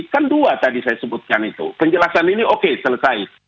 kan dua tadi saya sebutkan itu penjelasan ini oke selesai